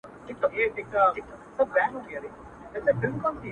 اوس خورا په خړپ رپيږي ورځ تېرېږي ـ